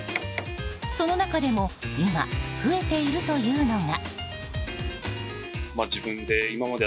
その中でも今、増えているというのが。